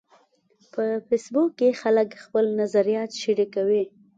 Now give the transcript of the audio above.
په فېسبوک کې خلک خپل نظریات شریکوي